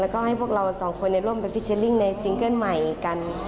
แล้วก็ให้พวกเราสองคนร่วมไปฟิเชลลิ่งในซิงเกิ้ลใหม่กัน